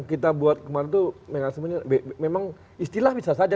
kita buat kemarin itu mekanismenya memang istilah bisa saja